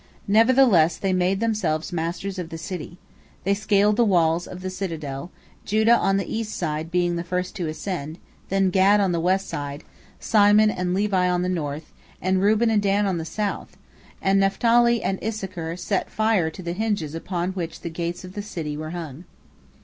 Nevertheless they made themselves masters of the city. They scaled the walls of the citadel, Judah on the east side being the first to ascend, then Gad on the west side, Simon and Levi on the north, and Reuben and Dan on the south, and Naphtali and Issachar set fire to the hinges upon which the gates of the city were hung.